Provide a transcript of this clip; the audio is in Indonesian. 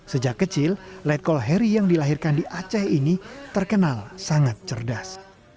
sejak kecil letkol heri yang dilahirkan di aceh ini terkenal sangat cerdas